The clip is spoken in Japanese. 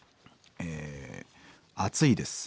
「暑いです。